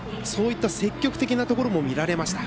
積極的なところも見られました。